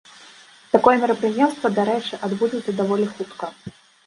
Такое мерапрыемства, дарэчы, адбудзецца даволі хутка.